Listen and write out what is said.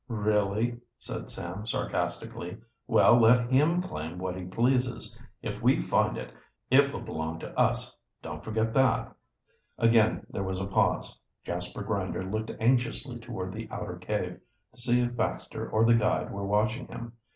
"Really?" said Sam sarcastically. "Well, let him claim what he pleases. If we find it, it will belong to us don't forget that." Again there was a pause. Jasper Grinder looked anxiously toward the outer cave, to see if Baxter or the guide were watching him.